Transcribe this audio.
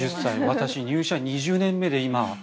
私、入社２０年目で今。